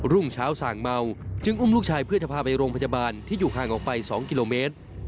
รุ่งเช้าสั่งเมาจึงอุ้มลูกชายเพื่อจะพาไปโรงพยาบาลที่อยู่ห่างออกไป๒กิโลเมตร